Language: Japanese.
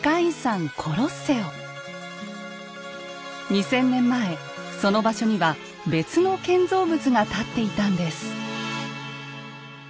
２，０００年前その場所には別の建造物が立っていたんです。